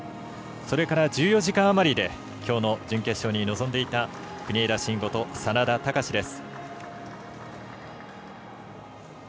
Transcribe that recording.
それから１４時間余りできょうの準決勝に臨んでいた国枝慎吾と眞田卓です。